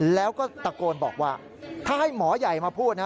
แล้วก็ตะโกนบอกว่าถ้าให้หมอใหญ่มาพูดนะ